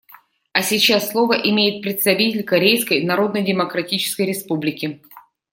А сейчас слово имеет представитель Корейской Народно-Демократической Республики.